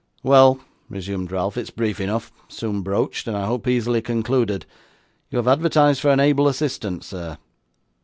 'Well,' resumed Ralph, 'it's brief enough; soon broached; and I hope easily concluded. You have advertised for an able assistant, sir?